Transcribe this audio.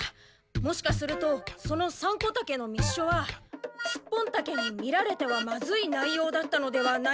もしかするとそのサンコタケの密書はスッポンタケに見られてはまずいないようだったのではないでしょうか。